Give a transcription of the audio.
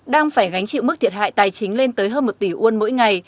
đang phải gánh chịu mức thiệt hại tài chính lên tới hơn một tỷ won mỗi ngày